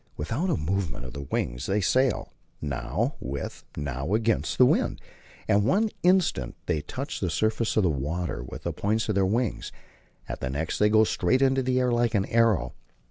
Without a movement of the wings they sail, now with, now against, the wind; at one instant they touch the surface of the water with the points of their wings, at the next they go straight into the air like an arrow.